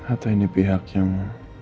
atau ini pihak yang